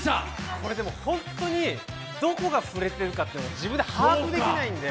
これでも本当にどこが触れてるかって自分で把握できないんで。